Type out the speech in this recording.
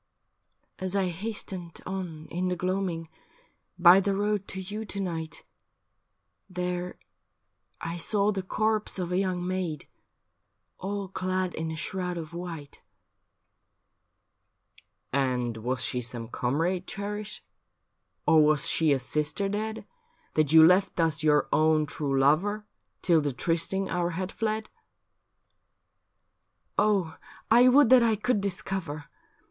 ' As I hastened on in the gloaming By the road to you to night, There I saw the corpse of a young maid All clad in a shroud of white.' 30 THE FETCH: A BALLAD ji ' And was she some comrade cherished, Or was she a sister dead, That you left thus your own true lover Till the trysting hour had fled ?'' Oh, I would that I could discover.